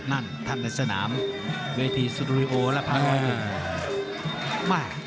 นั่นท่านเศรษฐนามเวทีสุดุริโอและพังวัน